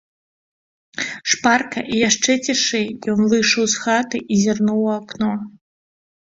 Шпарка і яшчэ цішэй ён выйшаў з хаты і зірнуў у акно.